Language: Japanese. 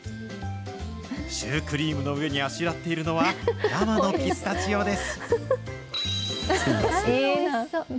シュークリームの上にあしらっているのは、生のピスタチオです。